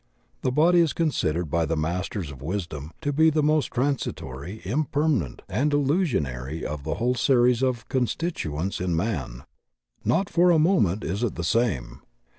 The body is considered by the Masters of Wisdom to be the most transitory, impermanent, and illusion ary of the whole series of constituents in man. Not for a moment is it the same.